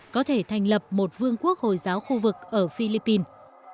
có thể thành lập một vương quốc hồi giáo khu vực ở philippines